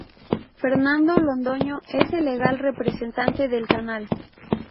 Fernando Londoño es el legal representante del canal.